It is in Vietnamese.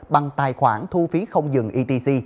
bằng tài khoản thu phí không dừng etc